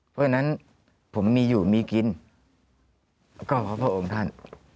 เพราะฉะนั้นผมมีอยู่มีกินก็เพราะพระองค์ท่าน